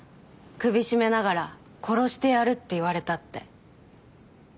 首絞めながら「殺してやる」って言われたって。